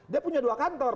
dia punya dua kantor